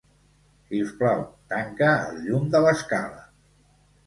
Si us plau, tanca el llum de l'escala.